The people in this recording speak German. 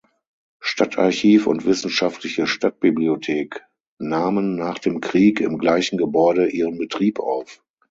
Stadtarchiv und Wissenschaftliche Stadtbibliothek nahmen nach dem Krieg im gleichen Gebäude ihren Betrieb auf.